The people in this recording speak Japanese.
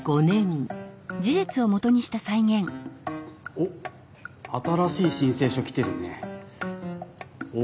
おっ新しい申請書来てるね。